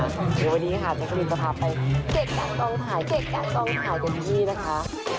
วันนี้นะคะฉันก็มีสภาพไปเก็บกล้างกล้องถ่ายเก็บกล้างกล้องถ่ายกันที่นี่นะคะ